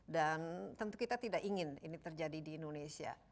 dan tentu kita tidak ingin ini terjadi di indonesia